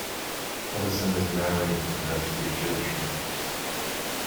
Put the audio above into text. Ottesen is married and has two children.